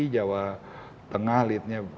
jawa tengah leadnya